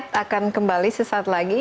kita akan kembali sesaat lagi